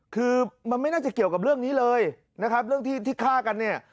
คือมันไม่น่าจะเกี่ยวกับเรื่องนี้เลยนะครับเรื่องที่ที่ฆ่ากันเนี่ย